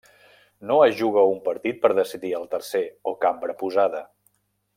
No es juga un partit per decidir el tercer o cambra posada.